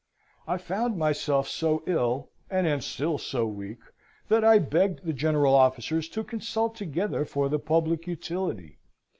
I found myself so ill, and am still so weak, that I begged the general officers to consult together for the public utility.